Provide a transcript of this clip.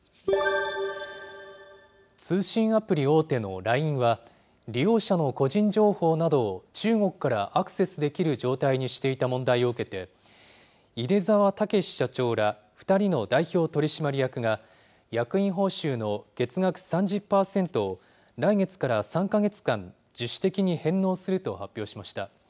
通信アプリ大手のＬＩＮＥは、利用者の個人情報などを中国からアクセスできる状態にしていた問題を受けて、出澤剛社長ら２人の代表取締役が、役員報酬の月額３０％を、来月から３か月間、自主的に返納すると発表しました。